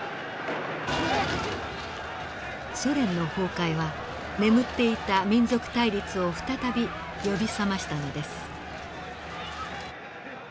ソ連の崩壊は眠っていた民族対立を再び呼び覚ましたのです。